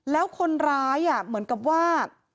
แล้วคนร้ายเหมือนกับว่า